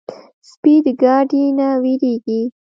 سپي د ګاډي نه وېرېږي.